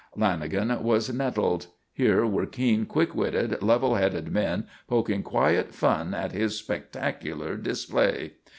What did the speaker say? Lanagan was nettled. Here were keen, quick witted, level headed men poking quiet fun at his spectacular display.